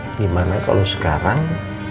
bagaimana kalau sekarang